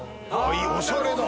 おしゃれだ。